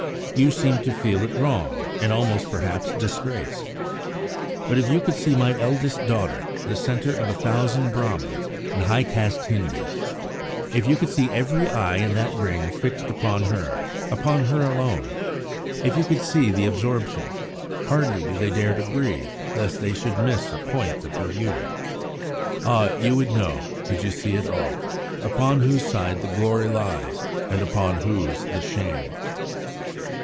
You seem to feel it wrong, and almost, perhaps, disgrace. But if you could see my eldest daughter the centre of a thousand Brahmans and high caste Hindus! If you could see every eye in that ring fixed upon her, upon her alone! If you could see the absorption hardly do they dare to breathe lest they should miss a point of her beauty! Ah, you would know, could you see it all, upon whose side the glory lies and upon whose the shame!